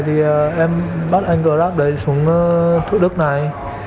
thì em bắt anh grab đấy xuống thủ đức này